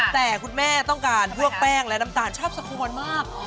แต่คุณแม่ต้องการพวกแป้งและน้ำตาลชอบสควรมาก